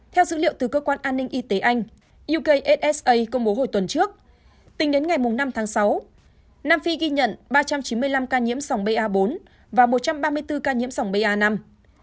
theo dữ liệu từ cơ quan an ninh y tế anh uksa công bố hồi tuần trước tính đến ngày năm tháng sáu nam phi ghi nhận ba trăm chín mươi năm ca nhiễm sòng ba bốn và một trăm ba mươi bốn ca nhiễm sòng ba năm